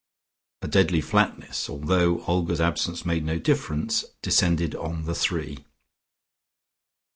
A deadly flatness, although Olga's absence made no difference, descended on the three.